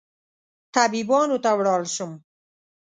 طبيبانو ته ولاړ شم